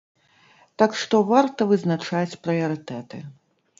Так што варта вызначаць прыярытэты.